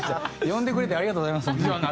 呼んでくれてありがとうございます本当に。